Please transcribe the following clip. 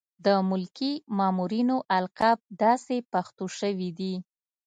د ملکي مامورینو القاب داسې پښتو شوي دي.